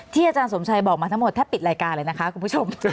อาจารย์สมชัยบอกมาทั้งหมดแทบปิดรายการเลยนะคะคุณผู้ชม